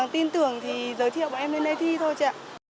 tin tưởng thì giới thiệu em lên đây thi thôi chị ạ